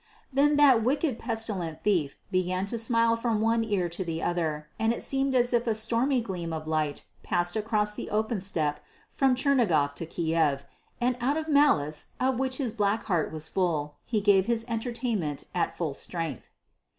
Then that wicked pestilent thief began to smile from one eye to the other, and it seemed as if a stormy gleam of light passed across the open steppe from Chernigof to Kiev; and out of malice of which his black heart was full, he gave his entertainment at full strength.